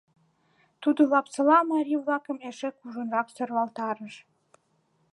Тудо Лапсола марий-влакым эше кужунрак сӧрвалтарыш.